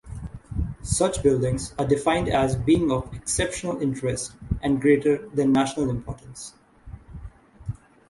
Such buildings are defined as being of "exceptional interest" and greater than national importance.